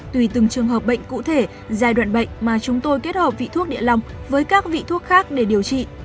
tùy từng trường hợp bệnh cụ thể giai đoạn bệnh mà chúng tôi kết hợp vị thuốc địa lọc với các vị thuốc khác để điều trị